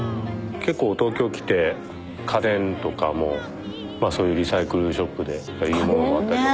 けっこう東京来て家電とかもまあそういうリサイクルショップでいいものがあったりとか。